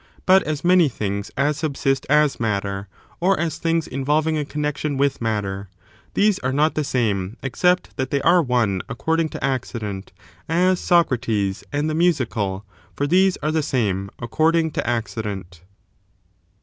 But as many things as subsist as matter, or as things involving a connexion with matter, these are not the same, except that they are one according to accident, as Socrates and the musical, for these are the same according to accident.